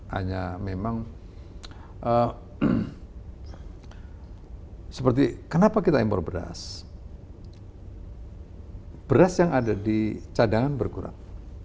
hanya memang seperti kenapa kita impor beras beras yang ada di cadangan berkurang